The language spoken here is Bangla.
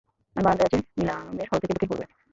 আমি বারান্দায় আছি, নিলামের হল থেকে দক্ষিণ-পূর্বে।